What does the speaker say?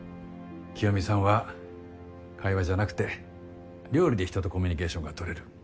清美さんは会話じゃなくて料理で人とコミュニケーションがとれる。